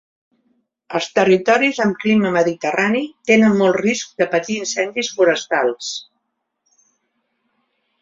Els territoris amb clima mediterrani tenen molt risc de patir incendis forestals.